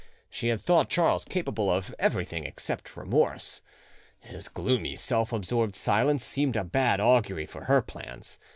She had thought Charles capable of everything except remorse. His gloomy, self absorbed silence seemed a bad augury for her plans.